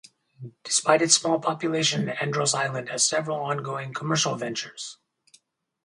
Despite its small population, Andros Island has several ongoing commercial ventures.